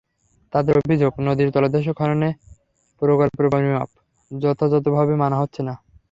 তাঁদের অভিযোগ, নদীর তলদেশ খননে প্রকল্পের পরিমাপ যথাযথভাবে মানা হচ্ছে না।